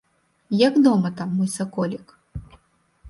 Як дома там, мой саколік?